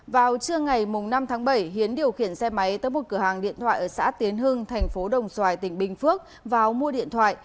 vào trưa ngày năm tháng bảy hiến điều khiển xe máy tới một cửa hàng điện thoại ở xã tiến hưng thành phố đồng xoài tỉnh bình phước vào mua điện thoại